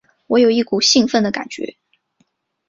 我有一股兴奋的感觉